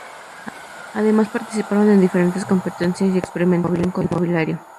Además participaron en diferentes competencias y experimentaron con mobiliario.